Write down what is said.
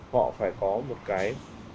họ phải có một cái